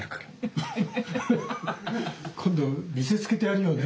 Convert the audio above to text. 今度見せつけてやるよね。